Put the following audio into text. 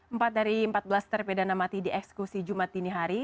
empat dari empat belas terpidana mati dieksekusi jumat dinihari